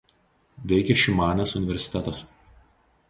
Veikia Šimanės universitetas.